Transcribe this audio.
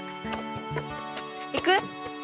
行く？